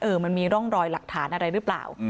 มันมีร่องรอยหลักฐานอะไรหรือเปล่า